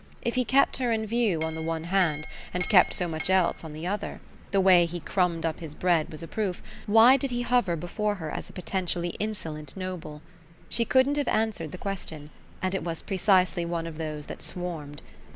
If he kept her in view on the one hand and kept so much else on the other the way he crumbed up his bread was a proof why did he hover before her as a potentially insolent noble? She couldn't have answered the question, and it was precisely one of those that swarmed.